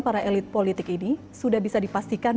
para elit politik ini sudah bisa dipastikan